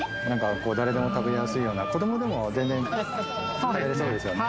誰でも食べやすいような子どもでも全然食べれそうですよね・